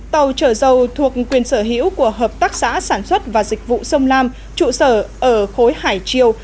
tàu chở dầu thuộc quyền sở hữu của hợp tác xã sản xuất và dịch vụ sông lam trụ sở ở khối hải triều